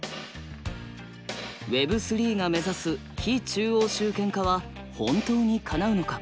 Ｗｅｂ３が目指す非中央集権化は本当にかなうのか？